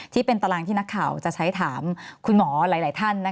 ที่เป็นตารางที่นักข่าวจะใช้ถามคุณหมอหลายท่าน